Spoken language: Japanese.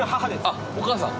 あっお母さん。